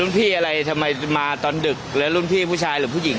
พี่อะไรทำไมมาตอนดึกแล้วรุ่นพี่ผู้ชายหรือผู้หญิง